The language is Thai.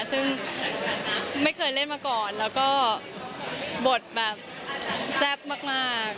ซึ่งไม่เคยเล่นมาก่อนแล้วก็บทแบบแซ่บมาก